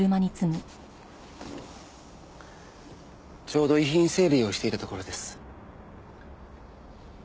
ちょうど遺品整理をしていたところです。